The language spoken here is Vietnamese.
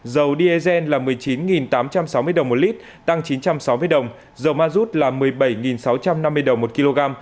dầu diesel là một mươi chín tám trăm sáu mươi đồng một lít tăng chín trăm sáu mươi đồng dầu ma rút là một mươi bảy sáu trăm năm mươi đồng một kg